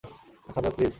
Sajjad, please.